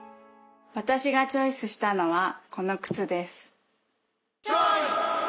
私がチョイスしたのはこの靴です。